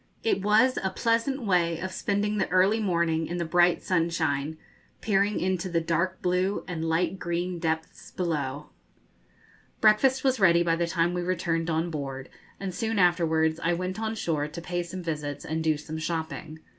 It was a pleasant way of spending the early morning in the bright sunshine, peering into the dark blue and light green depths below. Breakfast was ready by the time we returned on board, and soon afterwards I went on shore to pay some visits and to do some shopping.